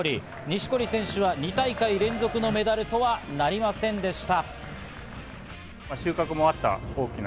錦織選手は２大会連続のメダルとはなりませんでした。